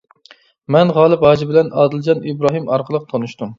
مەن غالىپ ھاجى بىلەن ئادىلجان ئىبراھىم ئارقىلىق تونۇشتۇم.